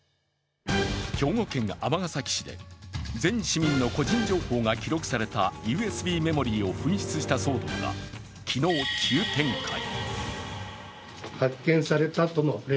兵庫県尼崎市で、全市民の個人情報が記録されたＵＳＢメモリーを紛失した騒動が昨日、急展開。